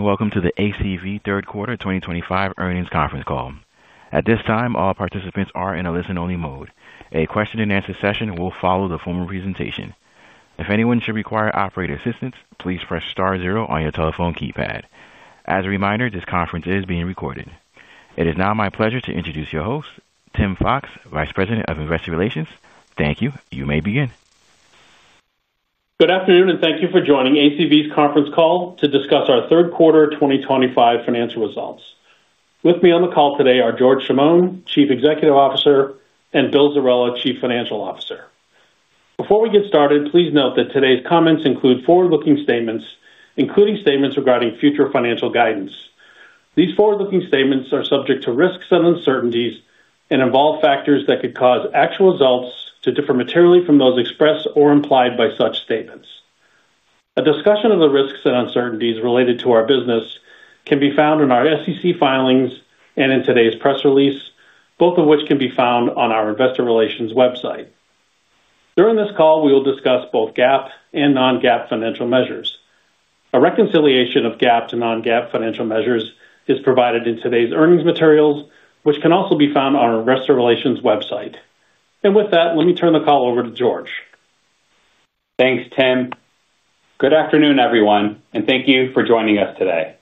Greetings and welcome to the ACV Third Quarter 2025 Earnings Conference Call. At this time, all participants are in a listen only mode. A question and answer session will follow the formal presentation. If anyone should require operator assistance, please press star zero on your telephone keypad. As a reminder, this conference is being recorded. It is now my pleasure to introduce your host, Tim Fox, Vice President of Investor Relations. Thank you. You may begin. Good afternoon and thank you for joining. ACV's conference call to discuss our third quarter 2025 financial results. With me on the call today are George Chamoun, Chief Executive Officer, and Bill Zerella, Chief Financial Officer. Before we get started, please note that today's comments include forward-looking statements, including statements regarding future financial guidance. These forward-looking statements are subject to risks and uncertainties and involve factors that could cause actual results to differ materially from those expressed or implied by such statements. A discussion of the risks and uncertainties related to our business can be found in our SEC filings and in today's press release, both of which can be found on our investor relations website. During this call we will discuss both GAAP and non-GAAP financial measures. A reconciliation of GAAP to non-GAAP financial measures is provided in today's earnings materials which can also be found on our Investor relations website. With that, let me turn the call over to George. Thanks, Tim. Good afternoon everyone and thank you for joining us today.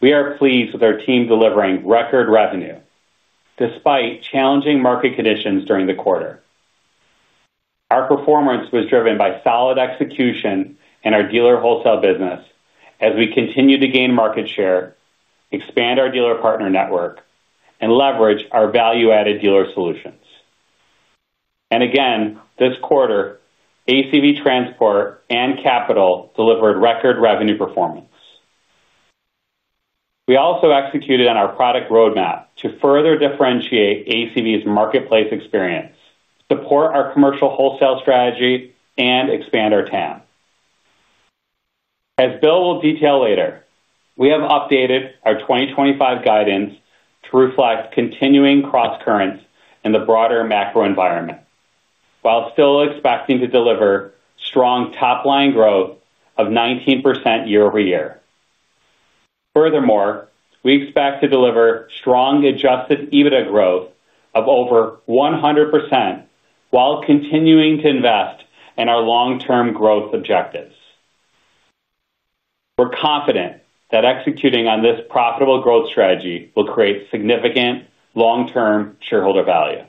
We are pleased with our team delivering record revenue despite challenging market conditions during the quarter. Our performance was driven by solid execution in our dealer wholesale business as we continue to gain market share, expand our dealer partner network, and leverage our value-added dealer solutions. Again this quarter, ACV Transport and Capital delivered record revenue performance. We also executed on our product roadmap to further differentiate ACV's marketplace experience, support our commercial wholesale strategy, and expand our TAM. As Bill will detail later, we have updated our 2025 guidance to reflect continuing crosscurrents in the broader macro environment while still expecting to deliver strong top line growth of 19% year-over-year. Furthermore, we expect to deliver strong adjusted EBITDA growth of over 100% while continuing to invest in our long term growth objectives. We're confident that executing on this profitable growth strategy will create significant long term shareholder value.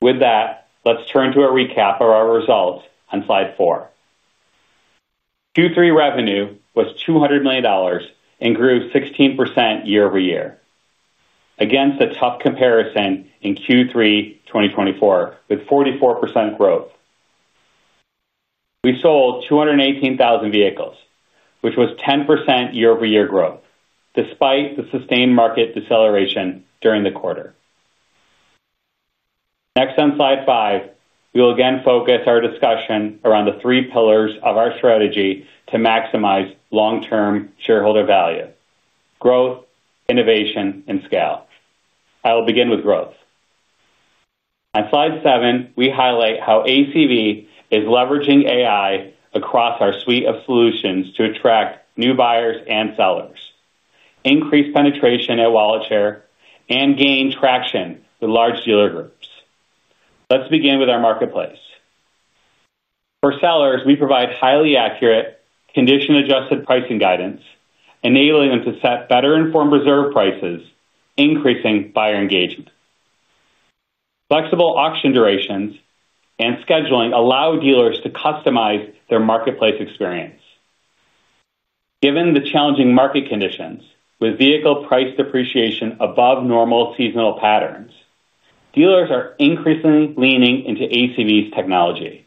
With that, let's turn to a recap of our results on slide four. Q3 revenue was $200 million and grew 16% year-over-year against a tough comparison in Q3 2024 with 44% growth. We sold 218,000 vehicles, which was 10% year-over-year growth despite the sustained market deceleration during the quarter. Next, on slide five, we will again focus our discussion around the three pillars of our strategy to maximize long term shareholder value: growth, innovation, and scale. I will begin with growth. On slide seven we highlight how ACV is leveraging AI across our suite of solutions to attract new buyers and sellers, increase penetration and wallet share, and gain traction with large dealer groups. Let's begin with our marketplace for sellers. We provide highly accurate condition-adjusted pricing guidance, enabling them to set better informed reserve prices. Increasing buyer engagement, flexible auction durations and scheduling allow dealers to customize their marketplace experience given the challenging market conditions. With vehicle price depreciation above normal seasonal patterns, dealers are increasingly leaning into ACV's technology.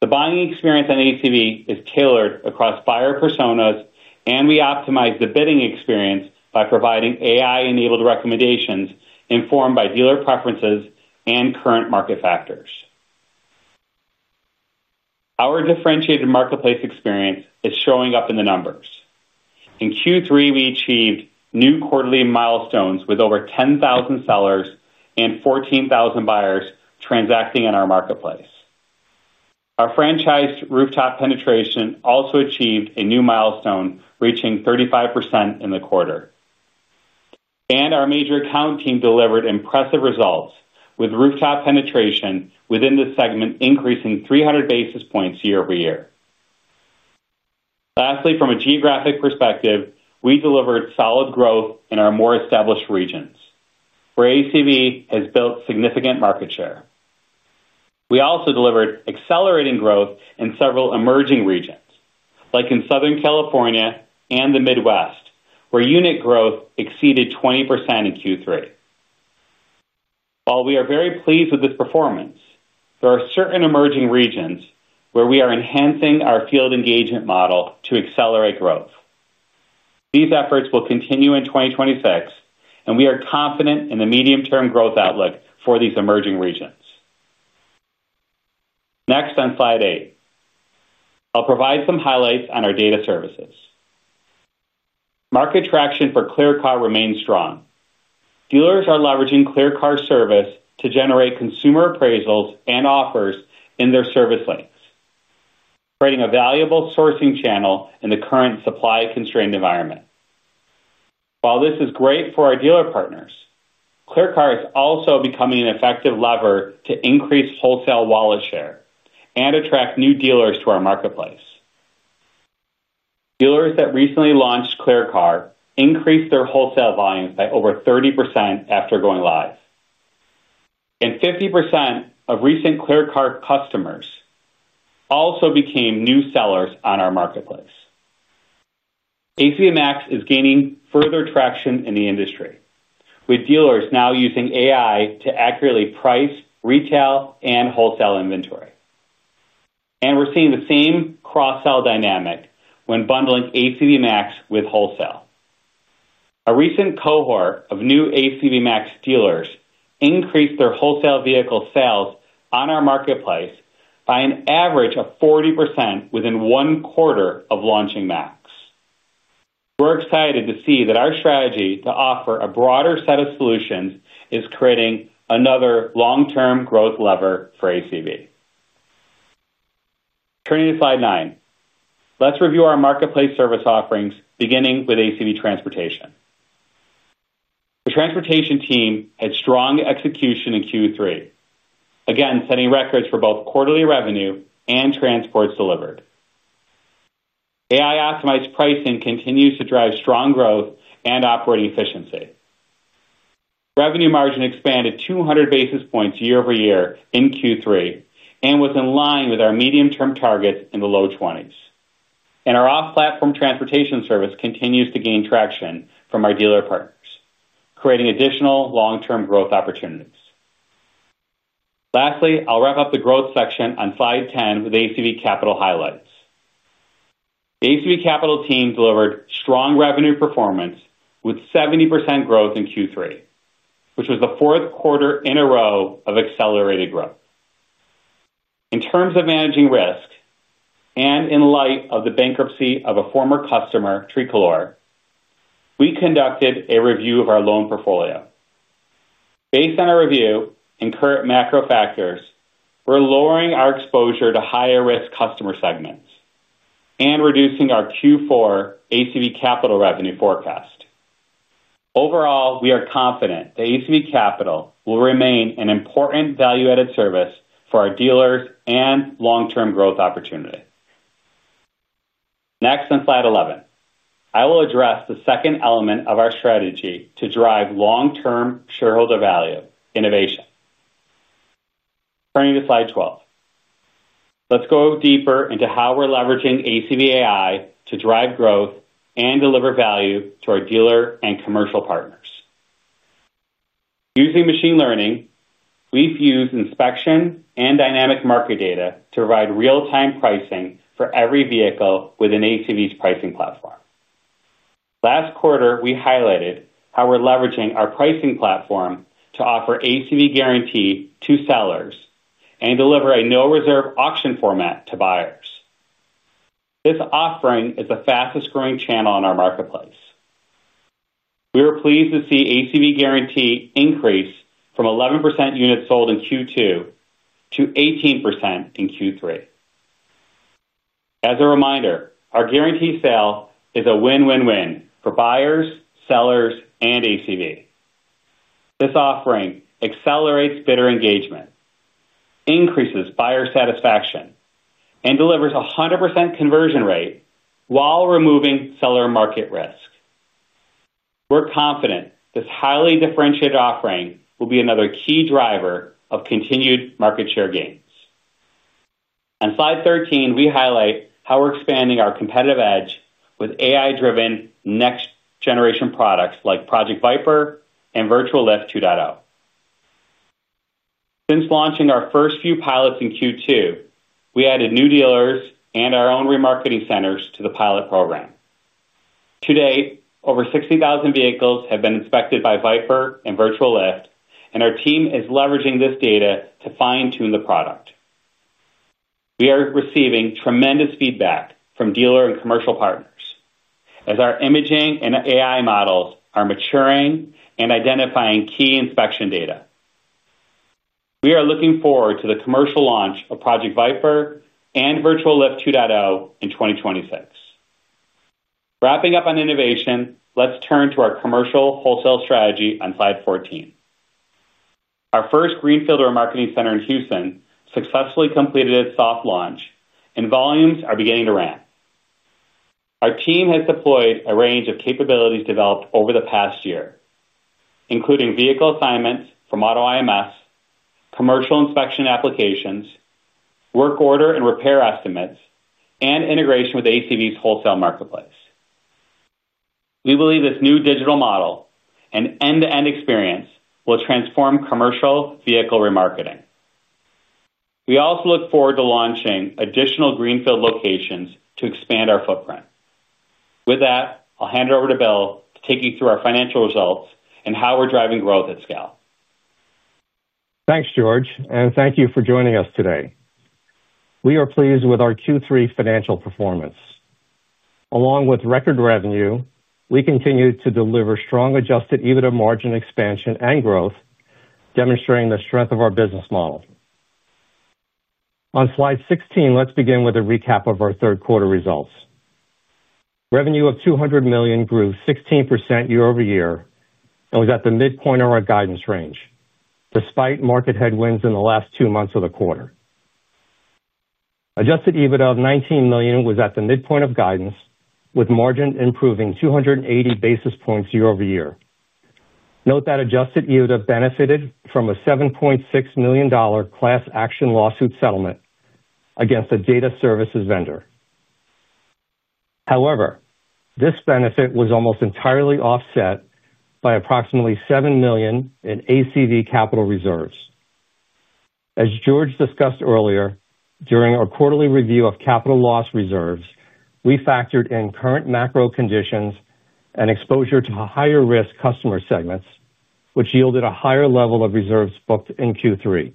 The buying experience on ACV is tailored across buyer personas, and we optimize the bidding experience by providing AI-enabled recommendations informed by dealer preferences and current market factors. Our differentiated marketplace experience is showing up in the numbers. In Q3 we achieved new quarterly milestones with over 10,000 sellers and 14,000 buyers transacting in our marketplace. Our franchise rooftop penetration also achieved a new milestone, reaching 35% in the quarter, and our major account team delivered impressive results with rooftop penetration within this segment increasing 300 basis points year-over-year. Lastly, from a geographic perspective, we delivered solid growth in our more established regions where ACV has built significant market share. We also delivered accelerating growth in several emerging regions like in Southern California and the Midwest where unit growth exceeded 20% in Q3. While we are very pleased with this performance, there are certain emerging regions where we are enhancing our field engagement model to accelerate growth. These efforts will continue in 2026, and we are confident in the medium term growth outlook for these emerging regions. Next, on slide eight, I'll provide some highlights on our data services. Market traction for ClearCar remains strong. Dealers are leveraging ClearCar service to generate consumer appraisals and offers in their service lanes, creating a valuable sourcing channel in the current supply constrained environment. While this is great for our dealer partners, ClearCar is also becoming an effective lever to increase wholesale wallet share and attract new dealers to our marketplace. Dealers that recently launched ClearCar increased their wholesale volumes by over 30% after going live and 50% of recent ClearCar customers also became new sellers on our marketplace. ACV MAX is gaining further traction in the industry with dealers now using AI to accurately price retail and wholesale inventory and we're seeing the same cross sell dynamic when bundling ACV MAX with wholesale. A recent cohort of new ACV MAX dealers increased their wholesale vehicle sales on our marketplace by an average of 40% within one quarter of launching MAX. We're excited to see that our strategy to offer a broader set of solutions is creating another long term growth lever for ACV. Turning to slide nine, let's review our marketplace service offerings beginning with ACV Transportation. The Transportation Team had strong execution in Q3, again setting records for both quarterly revenue and transports delivered. AI optimized pricing continues to drive strong growth and operating efficiency. Revenue margin expanded 200 basis points year over year in Q3 and was in line with our medium term targets in the low 20s. Our off platform transportation service continues to gain traction from our dealer partners, creating additional long term growth opportunities. Lastly, I'll wrap up the growth section on slide 10 with ACV Capital highlights. The ACV Capital team delivered strong revenue performance with 70% growth in Q3, which was the fourth quarter in a row of accelerated growth. In terms of managing risk and in light of the bankruptcy of a former customer, Tricolor, we conducted a review of our loan portfolio. Based on our review and current macro factors, we're lowering our exposure to higher risk customer segments and reducing our Q4 ACV Capital revenue forecast. Overall, we are confident that ACV Capital will remain an important value added service for our dealers and long term growth opportunity. Next, on slide 11, I will address the second element of our strategy to drive long term shareholder value, innovation. Turning to slide 12, let's go deeper into how we're leveraging ACV AI to drive growth and deliver value to our dealer and commercial partners. Using machine learning, we fuse inspection and dynamic market data to provide real time pricing for every vehicle within ACV's pricing platform. Last quarter we highlighted how we're leveraging our pricing platform to offer ACV Guarantee to sellers and deliver a no reserve auction format to buyers. This offering is the fastest growing channel in our marketplace. We were pleased to see ACV Guarantee increase from 11% units sold in Q2 to 18% in Q3. As a reminder, our guaranteed sale is a win win win for buyers, sellers and ACV. This offering accelerates bidder engagement, increases buyer satisfaction and delivers 100% conversion rate while removing seller market risk. We're confident this highly differentiated offering will be another key driver of continued market share gains. On slide 13, we highlight how we're expanding our competitive edge with AI driven next generation products like Project Viper and Virtual Lift 2.0. Since launching our first few pilots in Q2, we added new dealers and our own remarketing centers to the pilot program. To date, over 60,000 vehicles have been inspected by Viper and Virtual Lift and our team is leveraging this data to fine tune the product. We are receiving tremendous feedback from dealer and commercial partners as our imaging and AI models are maturing and identifying key inspection data. We are looking forward to the commercial launch of Project Viper and Virtual Lift 2.0 in 2026. Wrapping up on innovation, let's turn to our commercial wholesale strategy. On slide 14, our first greenfield remarketing center in Houston successfully completed its soft launch and volumes are beginning to ramp. Our team has deployed a range of capabilities developed over the past year, including vehicle assignments from AutoIMS, commercial inspection applications, work order and repair estimates, and integration with ACV's wholesale marketplace. We believe this new digital model and end to end experience will transform commercial vehicle remarketing. We also look forward to launching additional greenfield locations to expand our footprint. With that, I'll hand it over to Bill to take you through our financial results and how we're driving growth at scalability. Thanks George and thank you for joining us today. We are pleased with our Q3 financial performance. Along with record revenue, we continue to deliver strong adjusted EBITDA margin expansion and growth, demonstrating the strength of our business model. On slide 16, let's begin with a recap of our third quarter results. Revenue of $200 million grew 16% year-over-year and was at the midpoint of our guidance range. Despite market headwinds in the last two months of the quarter, adjusted EBITDA of $19 million was at the midpoint of guidance with margin improving 280 basis points year-over-year. Note that adjusted EBITDA benefited from a $7.6 million class action lawsuit settlement against a data services vendor. However, this benefit was almost entirely offset by approximately $7 million in ACV Capital reserves. As George discussed earlier, during our quarterly review of capital loss reserves, we factored in current macro conditions and exposure to higher risk customer segments, which yielded a higher level of reserves booked in Q3.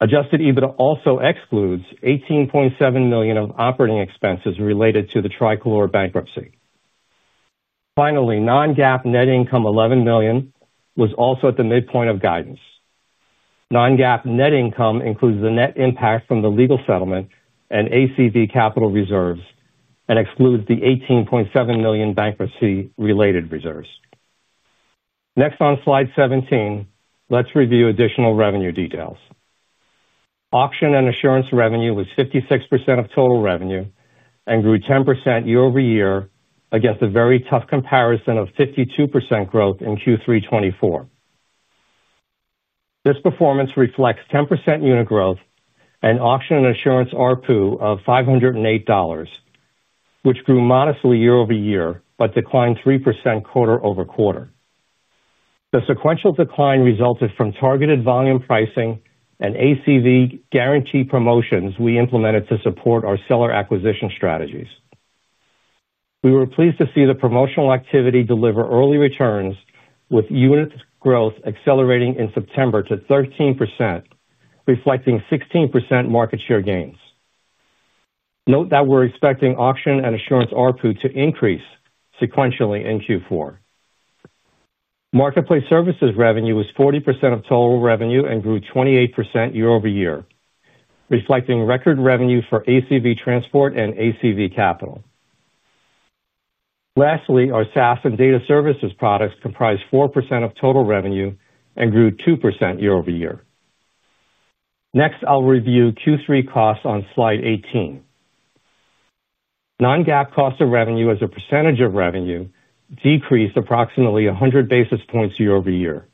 Adjusted EBITDA also excludes $18.7 million of operating expenses related to the Tricolor bankruptcy. Finally, non-GAAP net income of $11 million was also at the midpoint of guidance. Non-GAAP net income includes the net impact from the legal settlement and ACV Capital reserves and excludes the $18.7 million bankruptcy-related reserves. Next, on slide 17, let's review additional revenue details. Auction & Assurance revenue was 56% of total revenue and grew 10% year-over-year against a very tough comparison of 52% growth in Q3 2024. This performance reflects 10% unit growth and Auction & Assurance ARPU of $508, which grew modestly year-over-year but declined 3% quarter-over-quarter. The sequential decline resulted from targeted volume pricing and ACV Guarantee promotions we implemented to support our seller acquisition strategies. We were pleased to see the promotional activity deliver early returns, with unit growth accelerating in September to 13% reflecting 16% market share gains. Note that we're expecting Auction & Assurance ARPU to increase sequentially in Q4. Marketplace Services revenue was 40% of total revenue and grew 28% year over year, reflecting record revenue for ACV Transport and ACV Capital. Lastly, our SaaS and Data Services products comprised 4% of total revenue and grew 2% year-over-year. Next, I'll review Q3 costs on slide 18. Non-GAAP cost of revenue as a percentage of revenue decreased approximately 100 basis points year-over-year.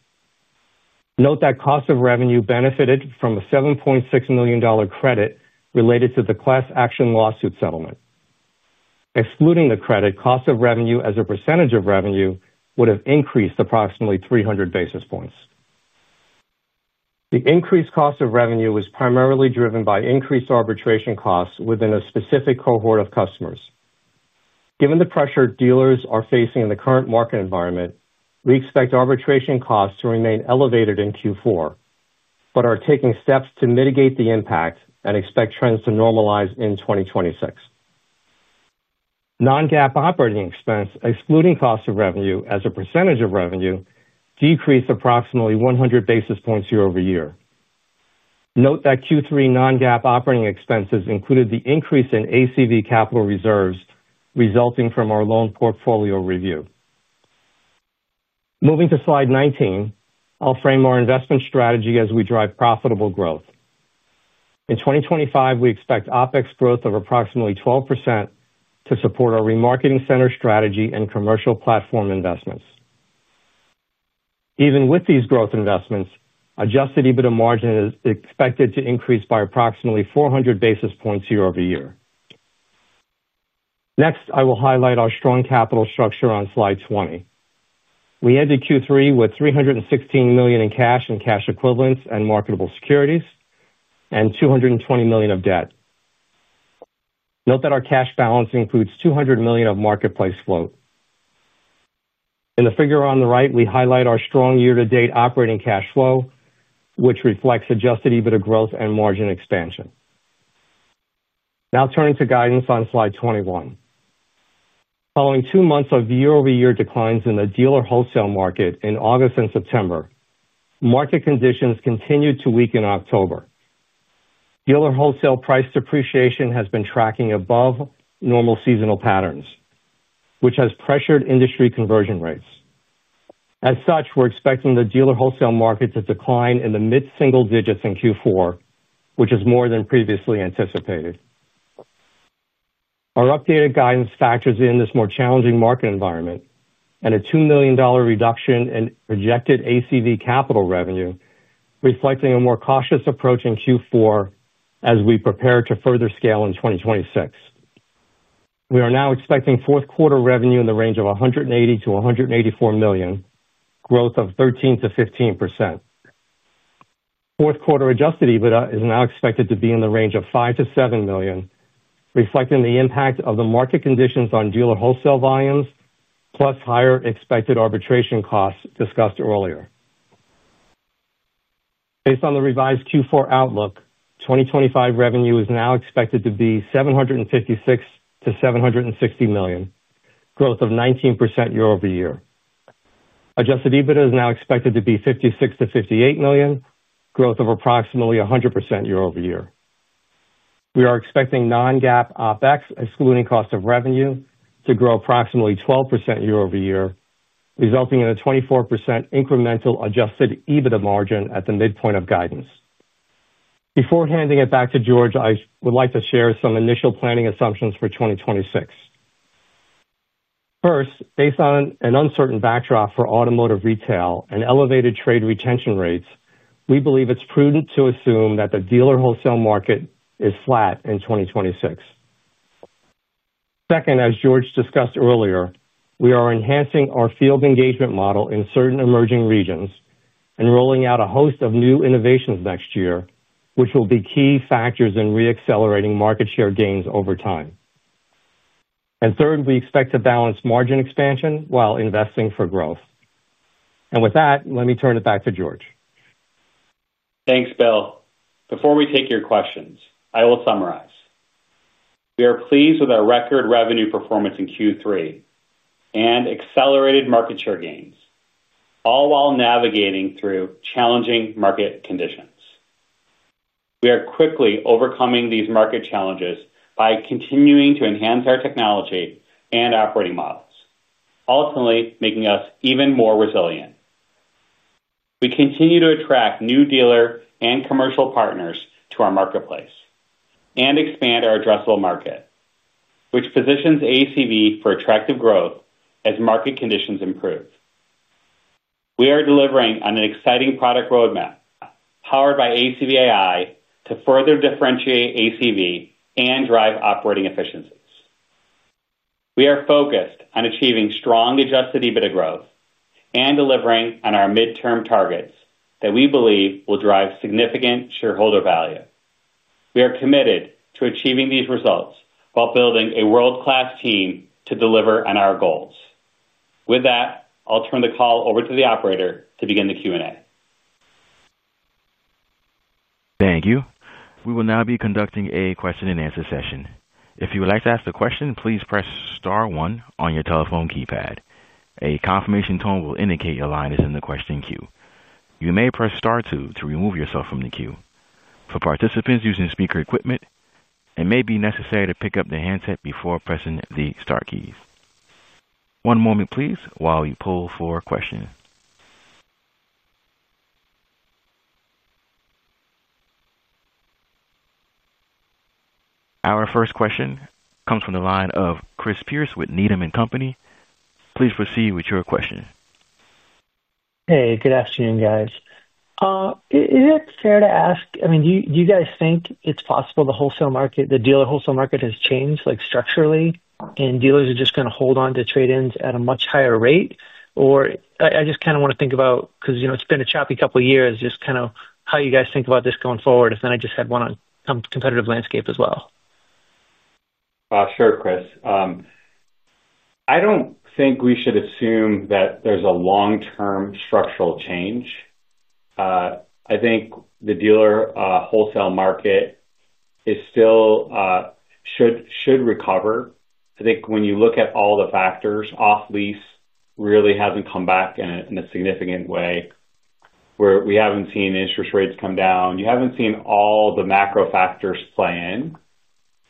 Note that cost of revenue benefited from a $7.6 million credit related to the class action lawsuit settlement. Excluding the credit, cost of revenue as a percentage of revenue would have increased approximately 300 basis points. The increased cost of revenue was primarily driven by increased arbitration costs within a specific cohort of customers. Given the pressure dealers are facing in the current market environment, we expect arbitration costs to remain elevated in Q4 but are taking steps to mitigate the impact and expect trends to normalize in 2026. Non-GAAP operating expense excluding cost of revenue as a percentage of revenue decreased approximately 100 basis points year-over-year. Note that Q3 non-GAAP operating expenses included the increase in ACV Capital reserves resulting from our loan portfolio review. Moving to slide 19, I'll frame our investment strategy as we drive profitable growth in 2025. We expect OpEx growth of approximately 12% to support our remarketing center strategy and commercial platform investments. Even with these growth investments, adjusted EBITDA margin is expected to increase by approximately 400 basis points year-over-year. Next, I will highlight our strong capital structure on slide 20. We ended Q3 with $316 million in cash and cash equivalents and marketable securities and $220 million of debt. Note that our cash balance includes $200 million of marketplace float. In the figure on the right, we highlight our strong year to date operating cash flow which reflects adjusted EBITDA growth and margin expansion. Now turning to guidance on slide 21, following two months of year-over-year declines in the dealer wholesale market in August and September, market conditions continued to weaken. October dealer wholesale price depreciation has been tracking above normal seasonal patterns, which has pressured industry conversion rates. As such, we're expecting the dealer wholesale market to decline in the mid-single digits in Q4, which is more than previously anticipated. Our updated guidance factors in this more challenging market environment and a $2 million reduction in projected ACV Capital revenue reflecting a more cautious approach in Q4 as we prepare to further scale in 2026. We are now expecting fourth quarter revenue in the range of $180 million-$184 million, growth of 13%-15%. Fourth quarter adjusted EBITDA is now expected to be in the range of $5 million-$7 million, reflecting the impact of the market conditions on dealer wholesale volumes plus higher expected arbitration costs discussed earlier. Based on the revised Q4 outlook, 2025 revenue is now expected to be $756 million-$760 million, growth of 19% year-over-year. Adjusted EBITDA is now expected to be $56 million-$58 million, growth of approximately 100% year-over-year. We are expecting non-GAAP OpEx excluding cost of revenue to grow approximately 12% year-over-year, resulting in a 24% incremental adjusted EBITDA margin at the midpoint of guidance. Before handing it back to George, I would like to share some initial planning assumptions for 2026. First, based on an uncertain backdrop for automotive retail and elevated trade retention rates, we believe it's prudent to assume that the dealer wholesale market is flat in 2026. Second, as George discussed earlier, we are enhancing our field engagement model in certain emerging regions and rolling out a host of new innovations next year, which will be key factors in re-accelerating market share gains over time. Third, we expect to balance margin expansion while investing for growth. Let me turn it back to George. Thanks Bill. Before we take your questions, I will summarize. We are pleased with our record revenue performance in Q3 and accelerated market share gains, all while navigating through challenging market conditions. We are quickly overcoming these market challenges by continuing to enhance our technology and operating models, ultimately making us even more resilient. We continue to attract new dealer and commercial partners to our marketplace and expand our addressable market, which positions ACV for attractive growth. As market conditions improve, we are delivering on an exciting product roadmap powered by ACV AI to further differentiate ACV and drive operating efficiencies. We are focused on achieving strong adjusted EBITDA growth and delivering on our midterm targets that we believe will drive significant shareholder value. We are committed to achieving these results while building a world-class team to deliver on our goals. With that, I'll turn the call over to the operator to begin the Q&A. Thank you. We will now be conducting a question and answer session. If you would like to ask a question, please press star one on your telephone keypad. A confirmation tone will indicate your line is in the question queue. You may press star two to remove yourself from the queue. For participants using speaker equipment, it may be necessary to pick up the handset before pressing the star keys. One moment please. While we poll for questions, our first question comes from the line of Chris Pierce with Needham & Company. Please proceed with your question. Hey, good afternoon guys. Is it fair to ask? I mean, do you guys think it's... Possible the wholesale market, the dealer wholesale market has changed like structurally and dealers. Are just going to hold on to. Trade ins at a much higher rate or I just kind of want to think about because you know, it's been a choppy couple of years. Just kind of how you guys think about this going forward. If then I just had one on competitive landscape as well. Sure, Chris. I don't think we should assume that there's a long-term structural change. I think the dealer wholesale market still should recover. I think when you look at all the factors, off-lease really hasn't come back in a significant way, we haven't seen interest rates come down, you haven't seen all the macro factors play in.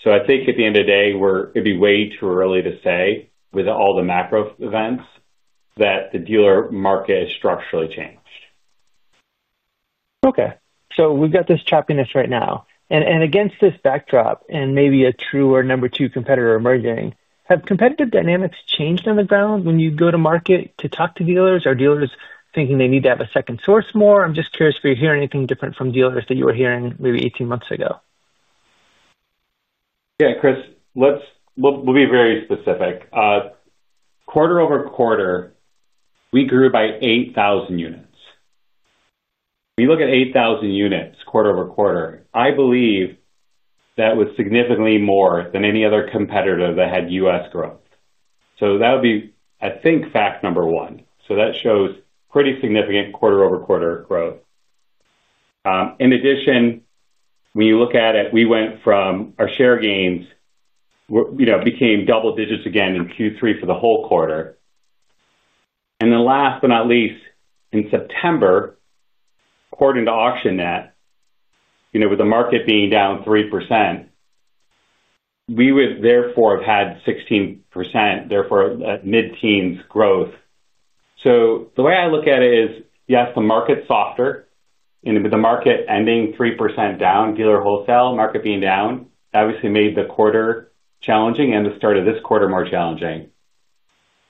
I think at the end of the day, it'd be way too early to say with all the macro events that the dealer market has structurally changed. Okay, so we've got this choppiness, right. Now and against this backdrop and maybe. A true or number two competitor emerging. Have competitive dynamics changed on the ground? When you go to market to talk. To dealers or dealers thinking they need to have a second source more. I'm just curious if you hear anything different from dealers that you were hearing maybe 18 months ago? Yeah, Chris, we'll be very specific. Quarter-over-quarter we grew by 8,000 units. We look at 8,000 units quarter-over-quarter. I believe that was significantly more than any other competitor that had U.S. growth. That would be, I think, fact number one. That shows pretty significant quarter-over-quarter growth. In addition, when you look at it, we went from our share gains, you know, became double digits again in Q3 for the whole quarter. Last but not least, in September, according to AuctionNet, you know, with the market being down 3%, we would therefore have had 16%, therefore mid-teens growth. The way I look at it is yes, the market softer and the market ending 3% down, dealer wholesale market being down obviously made the quarter challenging and the start of this quarter more challenging.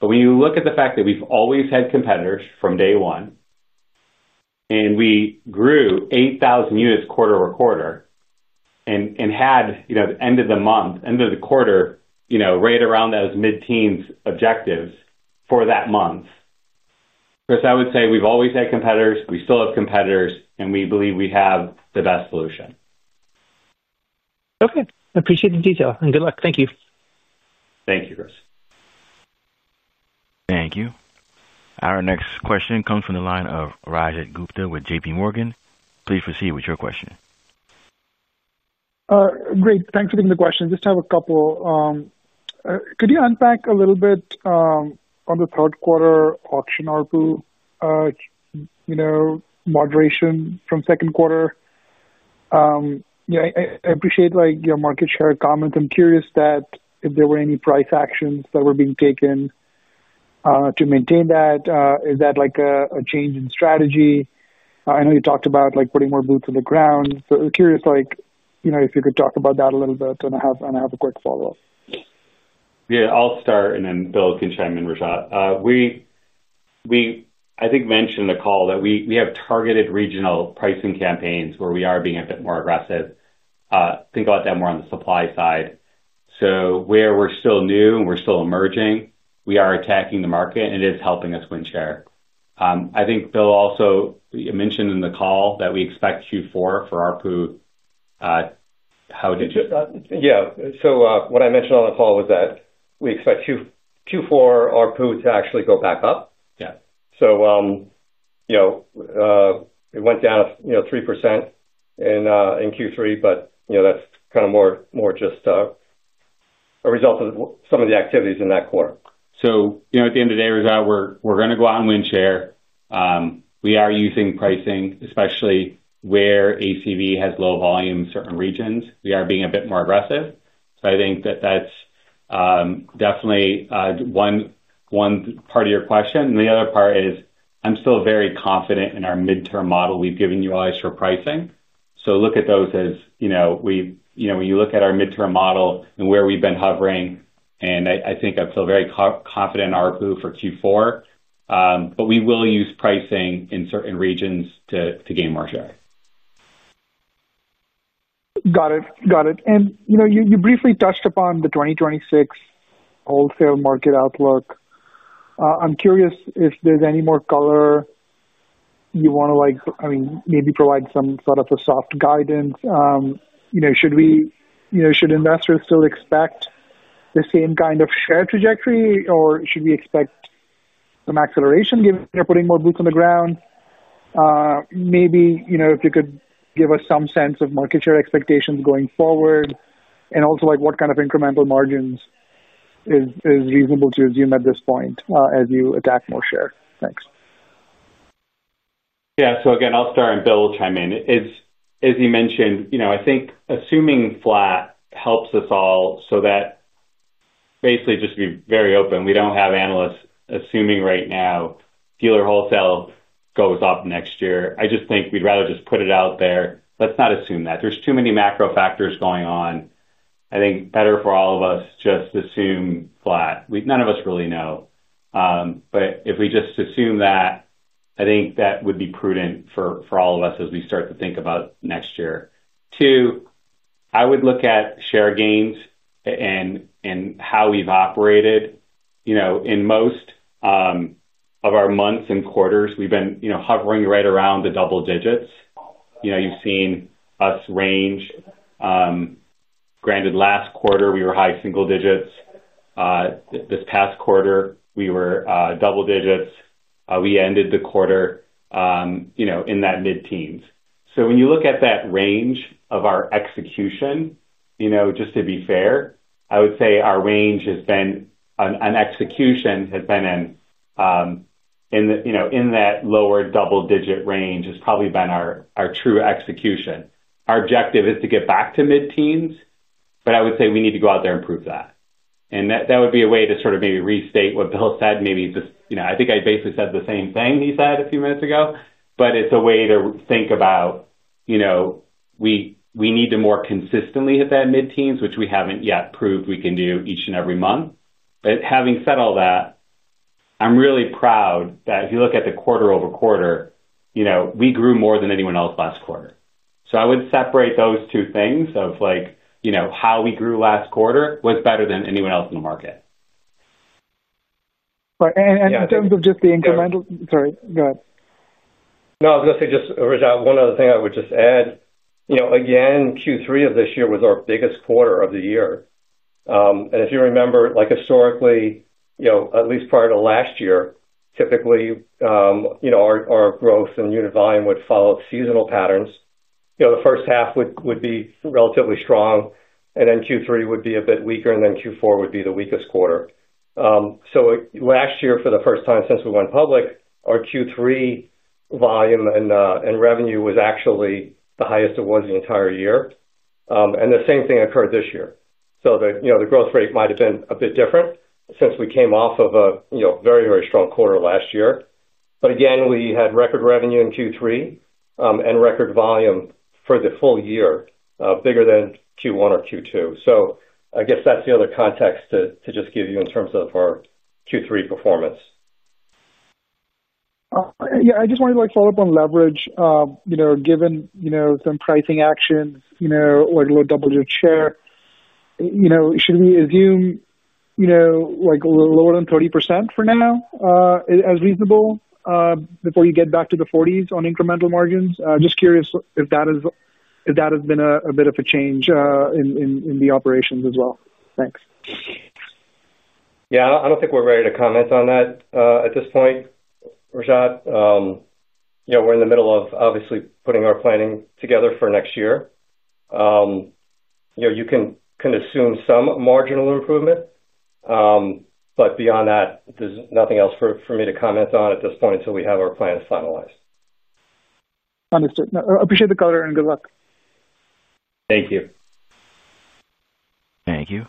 When you look at the fact that we've always had competitors from day one and we grew 8,000 units quarter-over-quarter and had, you know, the end of the month, end of the quarter, you know, right around those mid-teens objectives for that month. Chris, I would say we've always had competitors. We still have competitors and we believe we have the best solution. Okay. I appreciate the detail and good luck. Thank you. Thank you, Chris. Thank you. Our next question comes from the line of Rajat Gupta with JPMorgan. Please proceed with your question. Great. Thanks for taking the question. Just have a couple. Could you unpack a little bit on the third quarter auction ARPU moderation from second quarter? I appreciate your market share comments. I'm curious if there were any price actions that were being taken to maintain that, is that a change in strategy? I know you talked about putting more boots on the ground. Curious if you could talk about that a little bit and have a quick follow up. Yeah, I'll start and then Bill can chime in. Rajat, we, I think, mentioned the call that we have targeted regional pricing campaigns where we are being a bit more aggressive. Think about that more on the supply side. Where we're still new and we're still emerging, we are attacking the market and it is helping us win share. I think Bill also mentioned in the call that we expect Q4 for ARPU. How did you. Yeah, so what I mentioned on the call was that we expect Q4 ARPU to actually go back up. Yeah. You know, it went down 3% in Q3. You know, that's kind of more just a result of some of the activities in that quarter. You know, at the end of the day we're going to go out and win share. We are using pricing especially where ACV has low volume. Certain regions we are being a bit more aggressive. I think that that's definitely one part of your question. The other part is I'm still very confident in our midterm model. We've given you allies for pricing. Look at those as, you know, when you look at our midterm model and where we've been hovering, and I think I feel very confident in ARPU for Q4, but we will use pricing in certain regions to gain more share. Got it, got it. You know, you briefly touched upon the 2026 wholesale market outlook. I'm curious if there's any more color you want to, like, I mean, maybe provide some sort of a soft guidance. You know, should we, you know, should investors still expect the same kind of share trajectory or should we expect some acceleration given putting more boots on the ground? Maybe if you could give us some sense of market share expectations going forward and also what kind of incremental margins is reasonable to assume at this point as you attack more share. Thanks. Yeah. Again, I'll start and Bill will chime in. As you mentioned, I think assuming flat helps us all so that basically just be very open. We don't have analysts assuming right now dealer wholesale goes up next year. I just think we'd rather just put it out there. Let's not assume that. There's too many macro factors going on. I think better for all of us just assume flat. None of us really know, but if we just assume that, I think that would be prudent for all of us as we start to think about next year. Two, I would look at share gains and how we've operated. You know, in most of our months and quarters we've been, you know, hovering right around the double digits. You know, you've seen us range. Granted, last quarter we were high single digits. This past quarter we were double digits. We ended the quarter, you know, in that mid-teens. When you look at that range of our execution, you know, just to be fair, I would say our range has been in execution, has been in, in the, you know, in that lower double digit range has probably been our true execution. Our objective is to get back to mid-teens. I would say we need to go out there and prove that. That would be a way to sort of maybe restate what Bill said. Maybe just, you know, I think I basically said the same thing he said a few minutes ago. It is a way to think about, you know, we need to more consistently hit that mid-teens which we haven't yet proved we can do each and every month. Having said all that, I'm really proud that if you look at the quarter-over-quarter, you know, we grew more than anyone else last quarter. I would separate those two things of like, you know, how we grew. Last quarter was better than anyone else in the market. Right. In terms of just the incremental. Sorry, go ahead. No, I was going to say just Rajat, one other thing I would just add, you know, again, Q3 of this year was our biggest quarter of the year. If you remember like historically, you know, at least prior to last year, typically you know, our growth and unit volume would follow seasonal patterns. You know, the first half would be relatively strong and then Q3 would be a bit weaker and then Q4 would be the weakest quarter. Last year for the first time since we went public, our Q3 volume and revenue was actually the highest it was the entire year. The same thing occurred this year. The growth rate might have been a bit different since we came off of a very, very strong quarter last year. Again, we had record revenue in Q3 and record volume for the full year, bigger than Q1 or Q2. I guess that's the other context to just give you in terms of our Q3 performance. Yeah, I just wanted to follow up on leverage. Given some pricing actions or double-digit share, should we assume lower than 30% for now as reasonable before you get back to the 40s on incremental margins? Just curious if that is. That has been a bit of a change in the operations as well. Thanks. Yeah, I don't think we're ready to comment on that at this point, Rajat. You know, we're in the middle of obviously putting our planning together for next year. You can assume some marginal improvement, but beyond that, there's nothing else for me to comment on at this point until we have our plans finalized. Understood. Appreciate the color and good luck. Thank you. Thank you.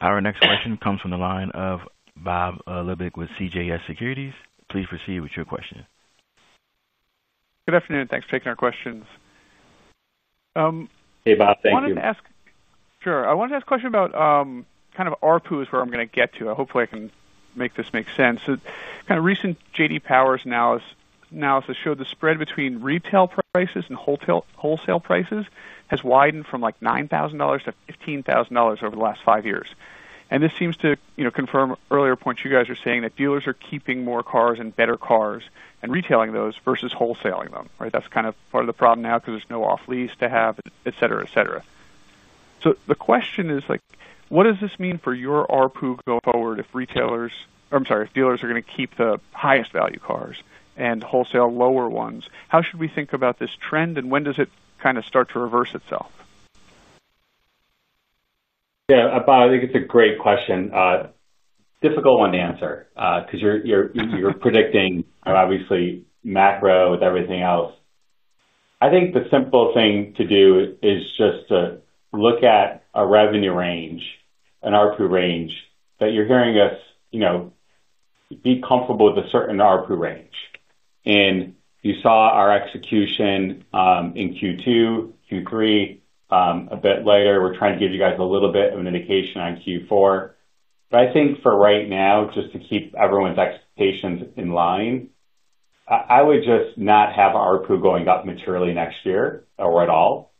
Our next question comes from the line of Bob Labick with CJS Securities. Please proceed with your question. Good afternoon. Thanks for taking our questions. Hey, Bob. Thank you. Sure. I wanted to ask a question about kind of ARPU is where I'm going to get to. Hopefully I can make this make sense. Kind of. Recent J.D. Power's analysis showed the spread between retail prices and wholesale prices has widened from like $9,000 to $15,000 over the last five years. And this seems to, you know, confirm earlier points. You guys are saying that dealers are keeping more cars and better cars and retailing those versus wholesaling them. Right. That's kind of part of the problem now because there's no off lease to have, et cetera, et cetera. The question is like, what does this mean for your ARPU going forward? If retailers, I'm sorry, if dealers are going to keep the highest value cars and wholesale lower ones, how should we think about this trend and when does it kind of start to reverse itself? Yeah, I think it's a great question. Difficult one to answer because you're predicting obviously macro with everything else. I think the simple thing to do is just look at a revenue range, an ARPU range that you're hearing us, you know, be comfortable with a certain ARPU range. You saw our execution in Q2, Q3 a bit later. We're trying to give you guys a little bit of an indication on Q4, but I think for right now, just to keep everyone's expectations in line, I would just not have ARPU going up materially next year or at all.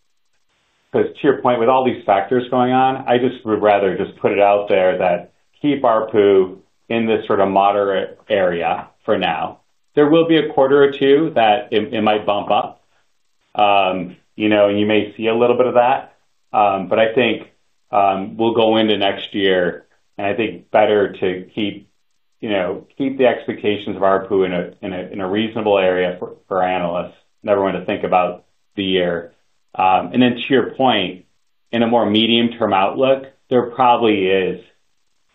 Because to your point, with all these factors going on, I just would rather just put it out there that keep ARPU in this sort of moderate area for now. There will be a quarter or two that it might bump up. You know, you may see a little bit of that. I think we'll go into next year and I think better to keep, you know, keep the expectations of ARPU in a reasonable area for analysts. Never want to think about the year. To your point, in a more medium term outlook there probably is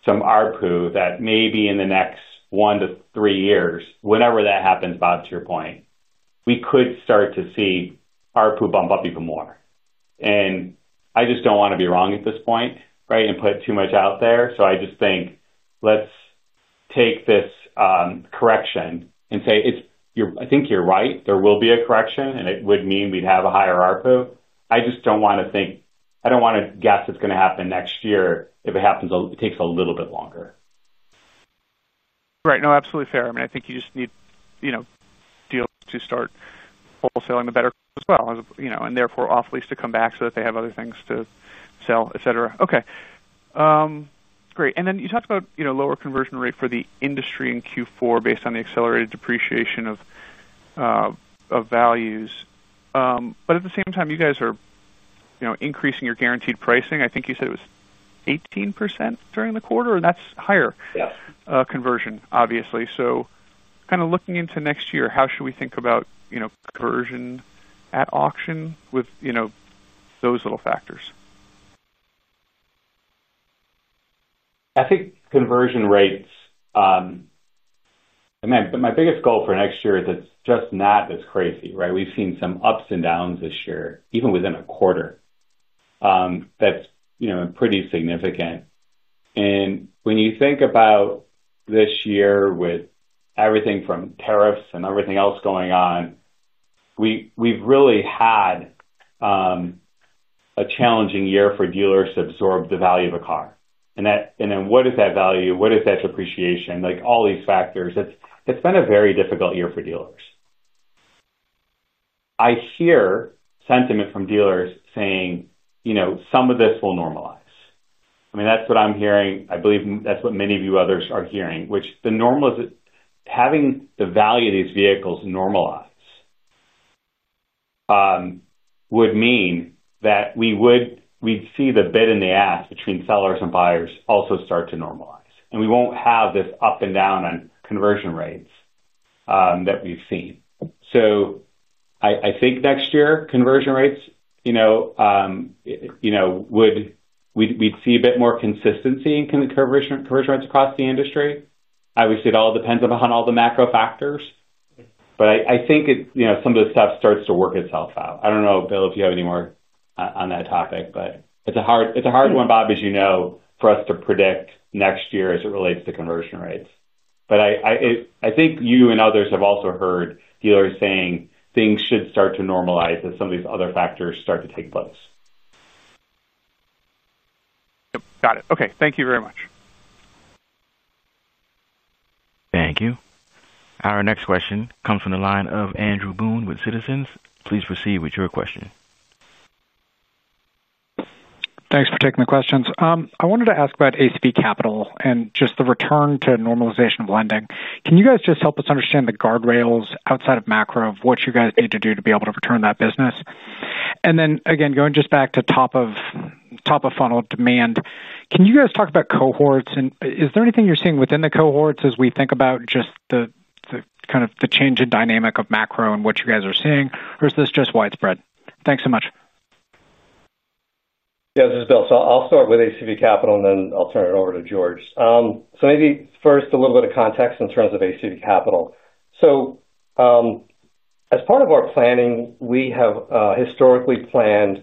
some ARPU that maybe in the next 1-3 years, whenever that happens, Bob, to your point, we could start to see ARPU bump up even more. I just don't want to be wrong at this point. Right. I just think let's take this correction and say I think you're right, there will be a correction and it would mean we'd have a higher ARPU. I just don't want to think, I don't want to guess it's going to happen next year. If it happens, it takes a little bit longer. Right. No, absolutely fair. I mean I think you just need deals to start wholesaling the better as well and therefore off lease to come back so that they have other things to sell, et cetera. Ok, great. Then you talked about lower conversion rate for the industry in Q4 based on the accelerated depreciation of values. At the same time you guys are increasing your guaranteed pricing. I think you said it was 18% during the quarter and that's higher conversion obviously. Kind of looking into next year, how should we think about conversion at auction with those little factors? I think conversion rates, my biggest goal for next year is it's just not as crazy. Right. We've seen some ups and downs this year, even within a quarter, that's pretty significant. When you think about this year with everything from tariffs and everything else going on, we've really had a challenging year for dealers to absorb the value of a car and that. And then what is that value? What is that depreciation, like all these factors, it's been a very difficult year for dealers. I hear sentiment from dealers saying, you know, some of this will normalize. I mean, that's what I'm hearing. I believe that's what many of you others are hearing, which the normal is having the value of these vehicles normalize would mean that we would, we'd see the bit in the ass between sellers and buyers also start to normalize and we won't have this up and down on conversion rates that we've seen. I think next year conversion rates, you know, would we see a bit more consistency in the conversion rates across the industry? Obviously it all depends upon all the macro factors, but I think, you know, some of the stuff starts to work itself out. I don't know, Bill, if you have any more on that topic. It is a hard one, Bob, as you know, for us to predict next year as it relates to conversion rates. I think you and others have also heard dealers saying things should start to normalize as some of these other factors start to take place. Got it. Okay, thank you very much. Thank you. Our next question comes from the line of Andrew Boone with Citizens. Please proceed with your question. Thanks for taking the questions. I wanted to ask about ACV Capital and just the return to normalization of lending. Can you guys just help us understand the guardrails outside of macro of what you guys need to do to be able to return that business? Again, going just back to top of funnel demand. Can you guys talk about cohorts and is there anything you're seeing within the cohorts as we think about just the kind of the change in dynamic of macro and what you guys are seeing, or is this just widespread? Thanks so much. Yeah, this is Bill. I'll start with ACV Capital and then I'll turn it over to George. Maybe first a little bit of context in terms of ACV Capital. As part of our planning, we have historically planned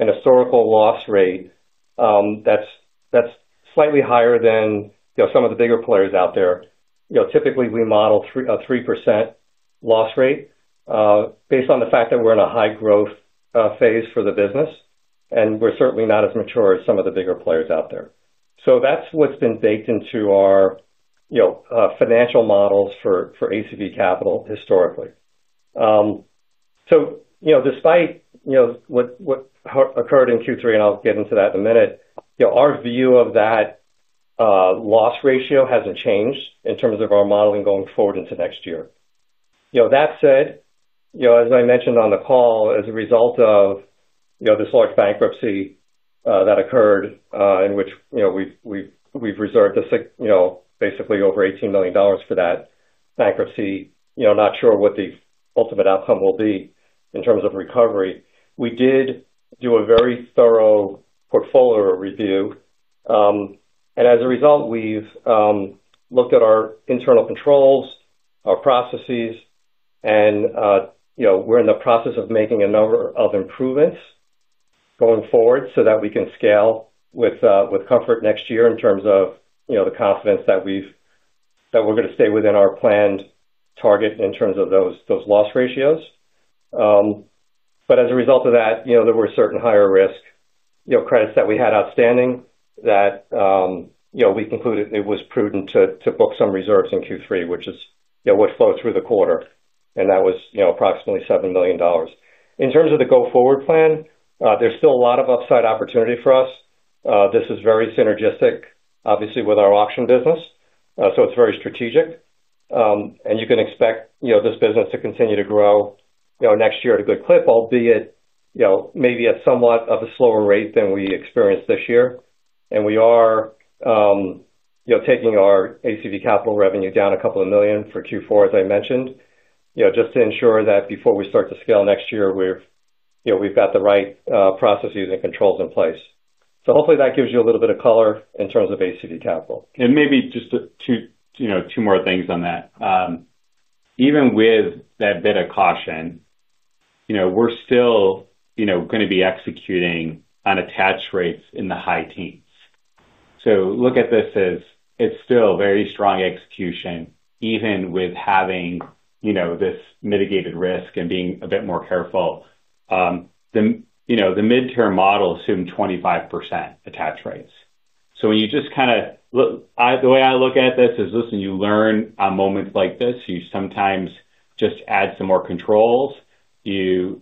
a historical loss rate that's slightly higher than, you know, some of the bigger players out there. Typically we model a 3% loss rate based on the fact that we're in a high growth phase for the business and we're certainly not as mature as some of the bigger players out there. That's what's been baked into our financial models for ACV Capital historically. Despite what occurred in Q3, and I'll get into that in a minute, our view of that loss ratio hasn't changed in terms of our modeling going forward into next year. That said, as I mentioned on the call, as a result of this large bankruptcy that occurred in which we've reserved basically over $18 million for that bankruptcy, not sure what the ultimate outcome will be in terms of recovery, we did do a very thorough portfolio review and as a result we've looked at our internal controls, our processes and, you know, we're in the process of making a number of improvements going forward so that we can scale with comfort next year in terms of, you know, the confidence that we've, that we're going to stay within our planned target in terms of those loss ratios. As a result of that, you know, there were certain higher risk, you know, credits that we had outstanding that, you know, we concluded it was prudent to book some reserves in Q3, which is, you know, what flowed through the quarter and that was, you know, approximately $7 million. In terms of the go forward plan, there's still a lot of upside opportunity for us. This is very synergistic obviously with our auction business. It is very strategic and you can expect this business to continue to grow next year at a good clip, albeit maybe at somewhat of a slower rate than we experienced this year. We are taking our ACV Capital revenue down a couple of million for Q4 as I mentioned, just to ensure that before we start to scale next year we've got the right processes and controls in place. Hopefully that gives you a little bit of color in terms of ACV Capital. And maybe just to, you know, two more things on that. Even with that bit of caution, you know, we're still, you know, going to be executing on attach rates in the high teens. Look at this as it's still very strong execution. Even with having, you know, this mitigated risk and being a bit more careful. The, you know, the mid term model assumed 25% attach rates. When you just kind of, the way I look at this is, listen, you learn on moments like this you sometimes just add some more controls. You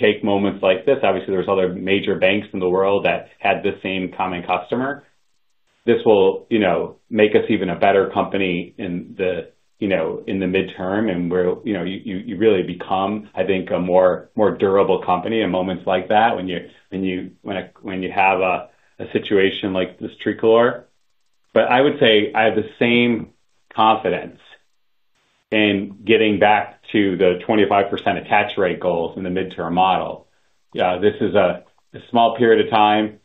take moments like this. Obviously there are other major banks in the world that had the same common customer. This will, you know, make us even a better company in the, you know, in the midterm and where, you know, you really become, I think, a more, more durable company in moments like that. When you have a situation like this. Tricolor. But I would say I have the same confidence in getting back to the 25% attach rate goals in the midterm model. Yeah, this is a small period of time.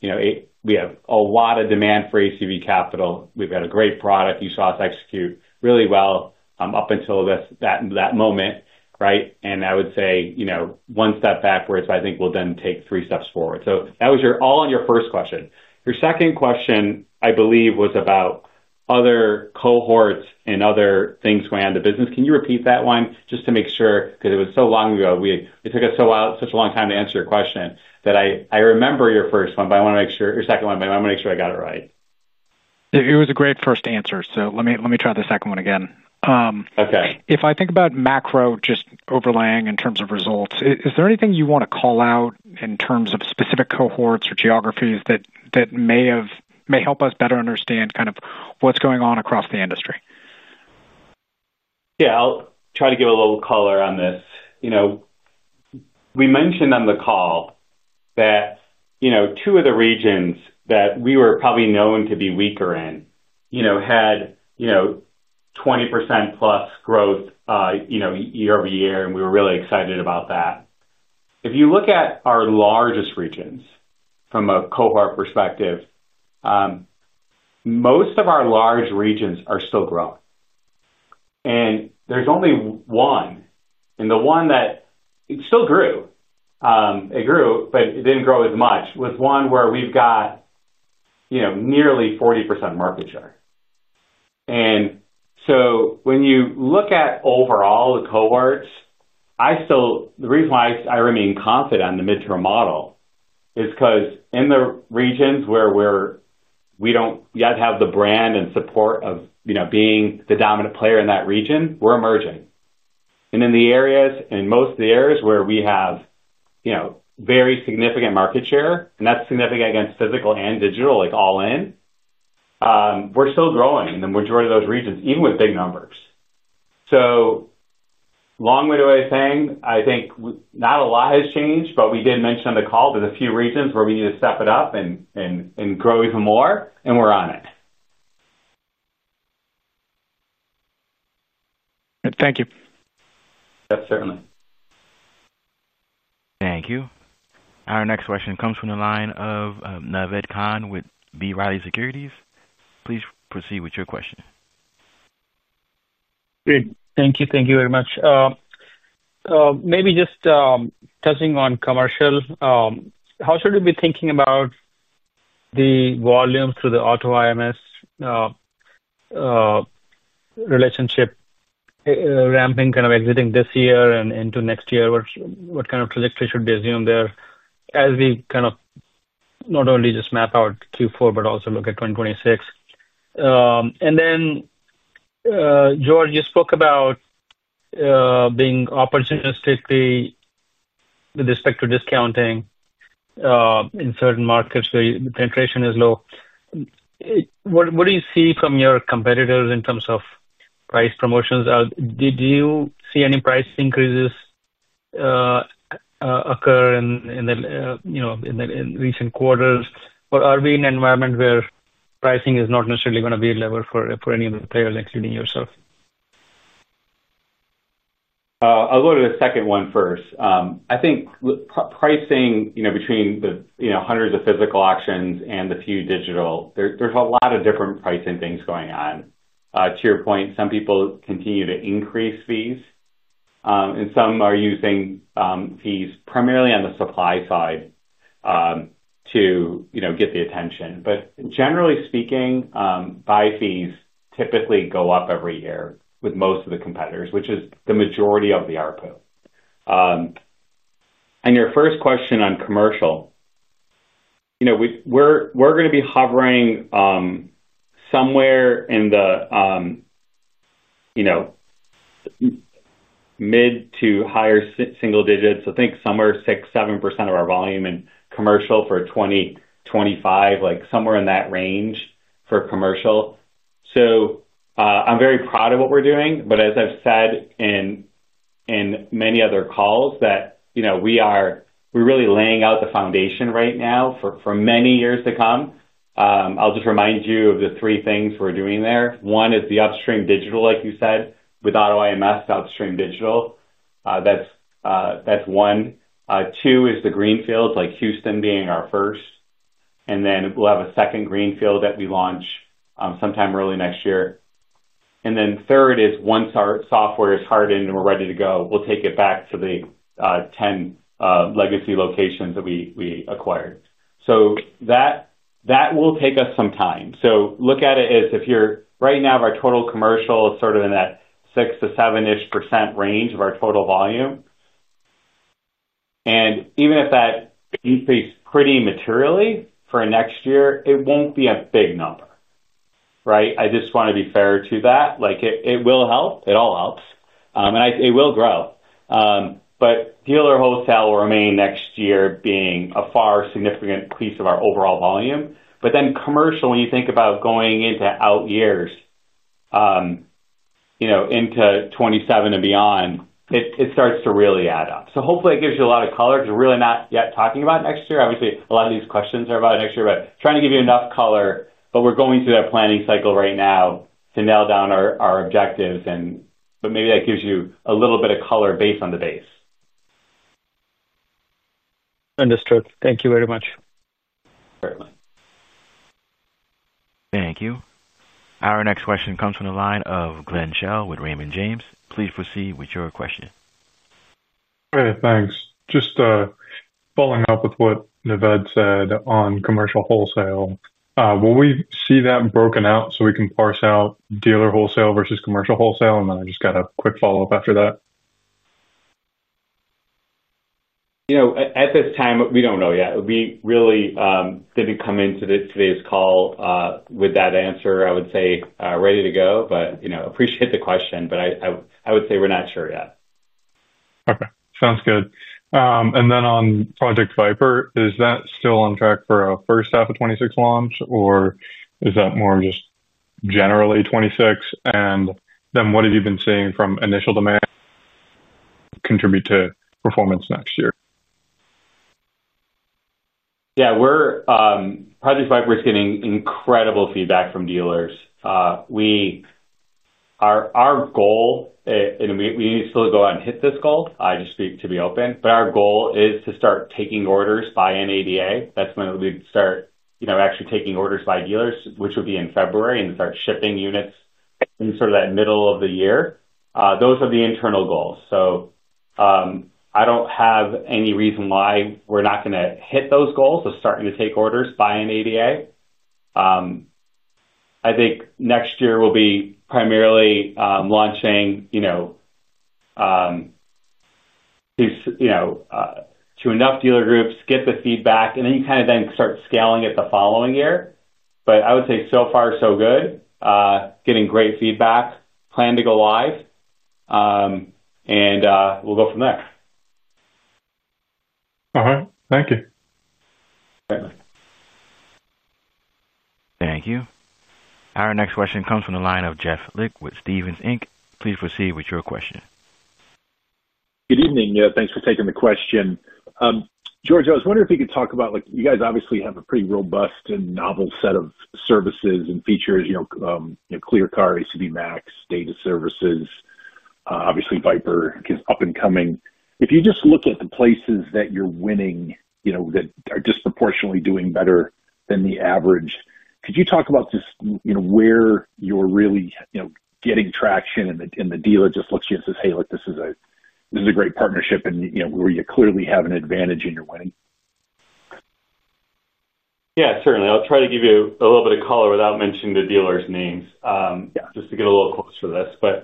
You know, we have a lot of demand for ACV Capital. We've got a great product. You saw us execute really well up until this, that moment. Right. And I would say, you know, one step backwards. I think we'll then take three steps forward. That was your all on your first question. Your second question, I believe, was about other cohorts and other things going on the business. Can you repeat that one just to make sure? Because it was so long ago, we, it took us such a long time to answer your question that I remember your first one, but I want to make sure your second one, but I want to make sure I got it right. It was a great first answer. Let me try the second one again. Okay. If I think about macro just overlaying in terms of results, is there anything you want to call out in terms of specific cohorts or geographies that may have, may help us better understand kind of what's going on across the industry? Yeah, I'll try to give a little color on this. You know, we mentioned on the call that, you know, two of the regions that we were probably known to be weaker in, you know, had, you know, 20%+ growth, you know, year-over-year. And we were really excited about that. If you look at our largest regions from a cohort perspective, most of our large regions are still growing. And there's only one. And the one that it still grew. It grew, but it didn't grow as much was one where we've got, you know, nearly 40% market share. And so when you look at overall, the cohorts, I still. The reason why I remain confident in the midterm model is because in the regions where we don't yet have the brand and support of, you know, being the dominant player in that region, we're emerging. In most areas where we have, you know, very significant market share, and that is significant against physical and digital, like all in, we're still growing in the majority of those regions. Even with big numbers, so long way away saying, I think not a lot has changed. We did mention on the call there are a few reasons where we need to step it up and grow even more. We're on it. Thank you. Certainly. Thank you. Our next question comes from the line of Naved Khan with B. Riley Securities. Please proceed with your question. Great. Thank you. Thank you very much. Maybe just touching on commercial. How should we be thinking about the? Volume through the AutoIMS relationship ramping, kind of exiting this year and into next year. What kind of trajectory should be assumed? There as we kind of not only. Just map out Q4 but also look at 2026. And then George, you spoke about being opportunistically with respect to discounting in certain markets where penetration is low. What do you see from your competitors in terms of price promotions? Did you see any price increases occur in recent quarters? Or are we in an environment where pricing is not necessarily going to be level for any of the players, including yourself? I'll go to the second one first. I think pricing between the hundreds of physical auctions and the few digital, there's a lot of different pricing things going on. To your point, some people continue to increase fees and some are using fees primarily on the supply side to, you know, get the attention. But generally speaking, buy fees typically go up every year with most of the competitors, which is the majority of the ARPU. And your first question on commercial, you know, we're going to be hovering somewhere in the, you know, mid to higher single digits, I think somewhere 6%-7% of our volume in commercial for 2025, like somewhere in that range for commercial. So I'm very proud of what we're doing. As I've said in many other calls, you know, we are really laying out the foundation right now for many years to come. I'll just remind you of the three things we're doing there. One is the upstream digital, like you said, with AutoIMS upstream digital, that's one. Two is the greenfield, like Houston being our first. And then we'll have a second greenfield that we launch sometime early next year. Third is once our software is hardened and we're ready to go, we'll take it back to the 10 legacy locations that we acquired. That will take us some time. Look at it as if right now our total commercial is sort of in that 6%-7% range of our total volume. Even if that increased pretty materially for next year, it will not be a big number. Right. I just want to be fair to that. Like it, it will help, it all helps and it will grow. Dealer wholesale will remain next year being a far significant piece of our overall volume. Commercial, when you think about going into out years, you know, into 2027 and beyond, it starts to really add up. Hopefully it gives you a lot of color because we are really not yet talking about next year. Obviously a lot of these questions are about next year, but trying to give you enough color, we are going through that planning cycle right now to nail down our objectives. Maybe that gives you a little bit of color based on the base. Understood. Thank you very much. Thank you. Our next question comes from the line of Glenn Shell with Raymond James. Please proceed with your question. Thanks. Just following up with what Naved said on commercial wholesale. Will we see that broken out so we can parse out dealer wholesale versus commercial wholesale? I just got a quick. Follow up after that. You know, at this time, we don't know yet. We really didn't come into today's call with that answer. I would say ready to go, but, you know, appreciate the question, but I would say we're not sure yet. Okay, sounds good. On Project Viper, is that still on track for a first half of 2026 launch, or is that more just generally 2026? What have you been seeing from initial demand contribute to performance next year? Yeah, Project Viper is getting incredible feedback from dealers. Our goal, and we still go out and hit this goal, I just speak to be open, but our goal is to start taking orders by NADA. That is when it will be, you know, actually taking orders by dealers, which would be in February, and start shipping units in sort of that middle of the year. Those are the internal goals. I do not have any reason why we are not going to hit those goals of starting to take orders by NADA. I think next year will be primarily launching, you know, these, you know, to enough dealer groups, get the feedback, and then you kind of then start scaling it the following year. I would say so far so good, getting great feedback, plan to go live, and we will go from there. All right, thank you. Thank you. Our next question comes from the line of Jeff Lick with Stephens Inc. Please proceed with your question. Good evening. Thanks for taking the question. George. I was wondering if you could talk. About, like, you guys obviously have a pretty robust and novel set of services and features. You know, ClearCar, ACV, MAX Data Services. Obviously Viper is up and coming. If you just look at the places that you're winning, you know, that are disproportionately doing better than the average. Could you talk about just where you're really getting traction and the dealer just looks you and says, hey, look, this is a, this is a great partnership and, you know, where you clearly have an advantage in your winning. Yeah, certainly. I'll try to give you a little bit of color without mentioning the dealers' names just to get a little closer to this. Yeah,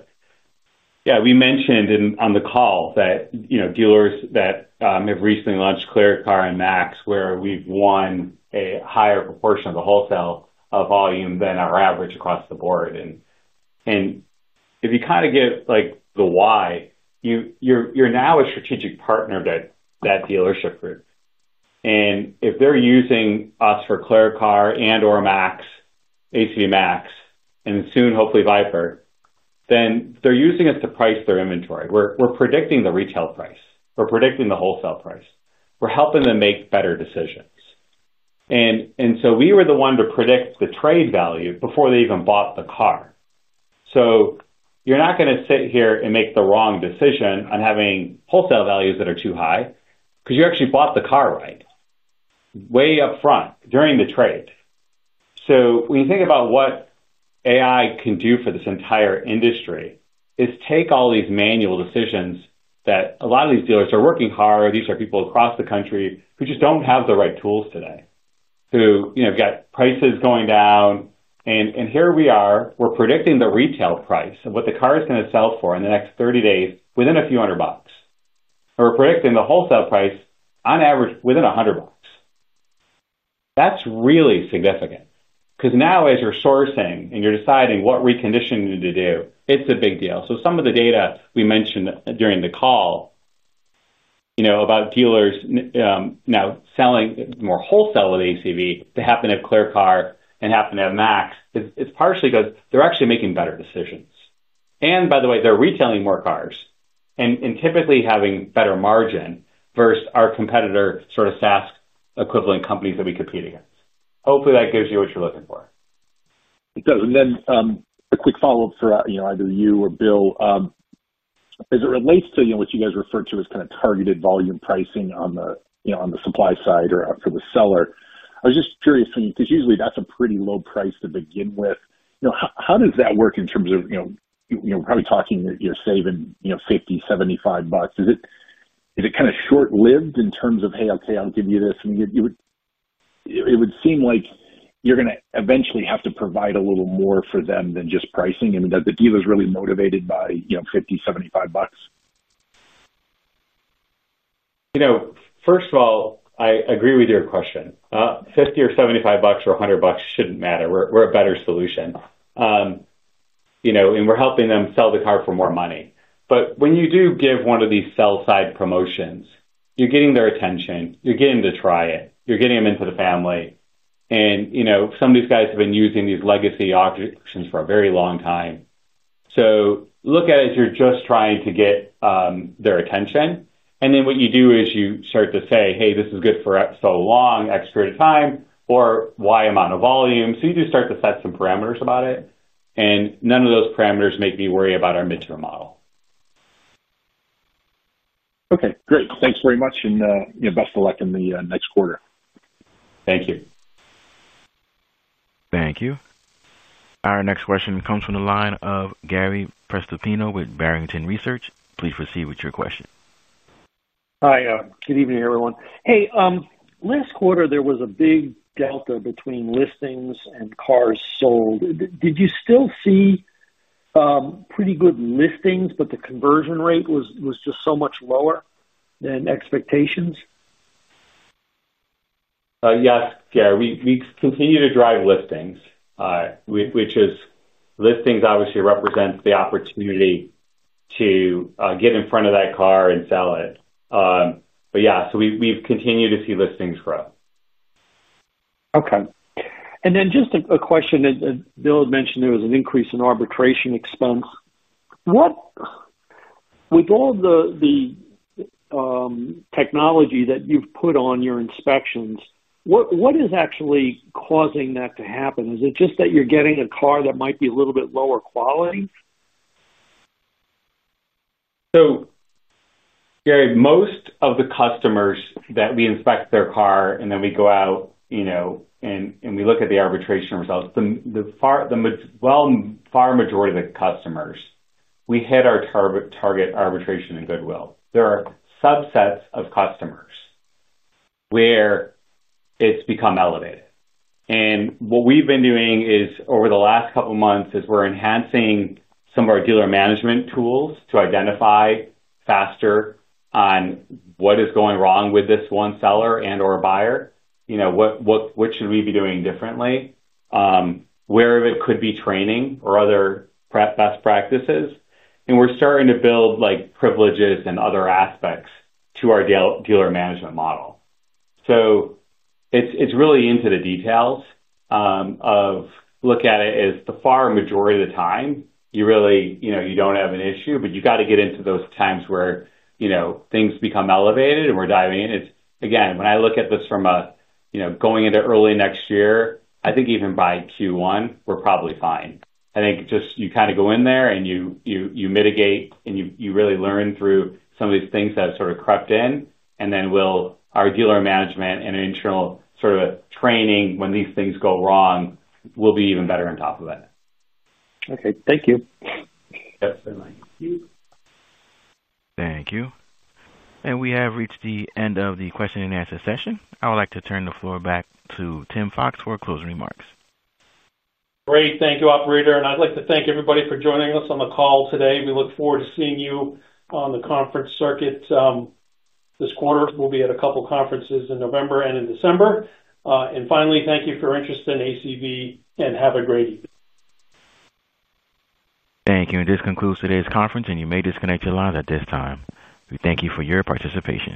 we mentioned on the call that, you know, dealers that have recently launched ClearCar and MAX, where we've won a higher proportion of the wholesale volume than our average across the board. If you kind of get like the why, you're now a strategic partner to that dealership group, and if they're using us for ClearCar and/or MAX, ACV, MAX and soon, hopefully Viper, then they're using us to price their inventory. We're predicting the retail price, we're predicting the wholesale price. We're helping them make better decisions. We were the one to predict the trade value before they even bought the car. You're not going to sit here and make the wrong decision on having wholesale values that are too high because you actually bought the car right way up front during the trade. When you think about what AI can do for this entire industry is take all these manual decisions that a lot of these dealers are working hard. These are people across the country who just don't have the right tools today, who got prices going down. Here we are, we're predicting the retail price of what the car is going to sell for in the next 30 days within a few $100. We're predicting the wholesale price on average within $100. That's really significant because now as you're sourcing and you're deciding what reconditioning to do, it's a big deal. Some of the data we mentioned during the call, you know about dealers now selling more wholesale with ACV to happen at ClearCar and happen to have MAX. It's partially because they're actually making better decisions. And by the way, they're retailing more cars and typically having better margin versus our competitor sort of SaaS equivalent companies that we compete against. Hopefully that gives you what you're looking for and then a quick follow up for either you or Bill as it. Relates to what you guys refer to. As kind of targeted volume pricing on. The supply side or for the seller. I was just curious because usually that's. A pretty low price to begin with. How does that work in terms of probably talking you're saving $50-$75. Is it kind of short lived in. Terms of hey, okay, I'll give you this. It would seem like you're going to eventually have to provide a little more for them than just pricing. The deal is really motivated by $50, $75. You know, first of all, I agree with your question. $50 or $75 or $100 shouldn't matter. We're a better solution, you know, and we're helping them sell the car for more money. But when you do give one of these sell side promotions, you're getting their attention. You're getting to try it, you're getting them into the family. You know, some of these guys have been using these legacy options for a very long time. Look at it as you're just trying to get their attention. What you do is you start to say, hey, this is good for so long x period of time or y amount of volume. You do start to set some parameters about it. None of those parameters make me worry about our midterm model. Okay, great. Thanks very much and best of luck in the next quarter. Thank you. Thank you. Our next question comes from the line of Gary Prestopino with Barrington Research. Please proceed with your question. Hi. Good evening, everyone. Hey. Last quarter there was a big delta. Between listings and cars sold, did you still see pretty good listings? The conversion rate was just so. Much lower than expectations? Yes, Gary, we continue to drive listings, which is, listings obviously represents the opportunity to get in front of that car and sell it, but yeah, so we've continued to see listings grow. Okay. Just a question that Bill had mentioned. There was an increase in arbitration expense. With all the technology that you've put on your inspections, what is actually causing that to happen? Is it just that you're getting a? Car that might be a little bit lower quality? Gary, most of the customers that we inspect their car and then we go out, you know, and we look at the arbitration results. The far majority of the customers, we hit our target arbitration and goodwill. There are subsets of customers where it's become elevated. What we've been doing is over the last couple months is we're enhancing some of our dealer management tools to identify faster on what is going wrong with this one seller and or buyer. You know, what should we be doing differently, where it could be training or other best practices. We're starting to build privileges and other aspects to our dealer management model. It's really into the details of. Look at it as the far majority of the time you really, you know, you do not have an issue. You have to get into those times where, you know, things become elevated and we are diving in. Again, when I look at this from a, you know, going into early next year, I think even by Q1 we are probably fine. I think you just kind of go in there and you mitigate and you really learn through some of these things that sort of crept in and then our dealer management and internal sort of training when these things go wrong will be even better on top of that. Okay, thank you. Thank you. We have reached the end of the question and answer session. I would like to turn the floor back to Tim Fox for closing remarks. Great. Thank you, operator. I'd like to thank everybody for joining us on the call today. We look forward to seeing you on. The conference circuit this quarter. We'll be at a couple conferences in November and in December. Finally, thank you for your interest in ACV and have a great evening. Thank you. This concludes today's conference and you may disconnect your lines at this time. We thank you for your participation.